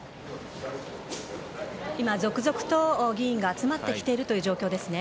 続々と議員が集まってきているという状況ですね。